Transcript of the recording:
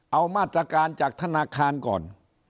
เอามาตรการจากธนาคารก่อน